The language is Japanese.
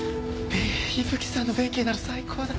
伊吹さんの弁慶なら最高だ。